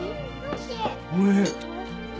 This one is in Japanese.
おいしい。